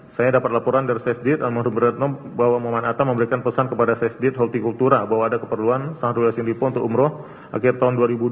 saya dapat laporan dari sesdit al mahdur beratno bahwa muhammad atta memberikan pesan kepada sesdit hulti kura bahwa ada keperluan sang dulu yasi lipo untuk umroh akhir tahun dua ribu dua puluh dua